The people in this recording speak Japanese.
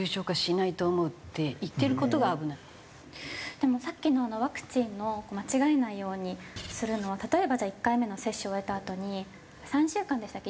でもさっきのワクチンの間違えないようにするのは例えばじゃあ１回目の接種を終えたあとに３週間でしたっけ？